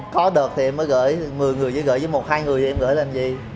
có được thì em mới gửi một mươi người với gửi với một hai người thì em gửi lên gì